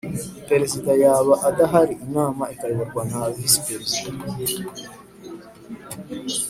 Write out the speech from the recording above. Perezida yaba adahari inama ikayoborwa na Visi Perezida